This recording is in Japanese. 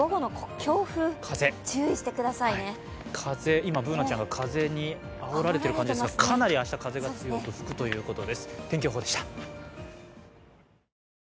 今、Ｂｏｏｎａちゃんが風にあおられてる感じですがかなり明日、風が強く吹くということです。